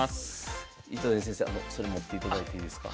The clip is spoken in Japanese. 糸谷先生それ持っていただいていいですか？